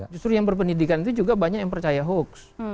justru yang berpendidikan itu juga banyak yang percaya hoax